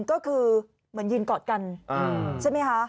ก็คือเหมือนยืนกอดกันใช่ไหมคะ